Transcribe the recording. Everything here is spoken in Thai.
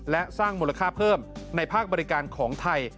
และสร้างมูลค่าเพิ่มในภาคบริการของไทย